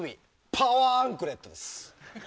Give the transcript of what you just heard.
パワーアンクレットです。